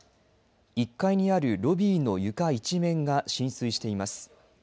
１階にあるロビーの床一面が浸水しています。